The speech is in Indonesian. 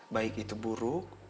baik itu buruk